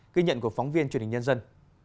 ghi nhận của phóng viên truyền hình nhân dân